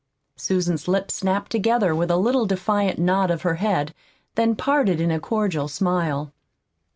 Susan's lips snapped together with a little defiant nod of her head, then parted in a cordial smile.